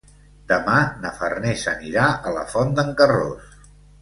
Demà na Farners anirà a la Font d'en Carròs.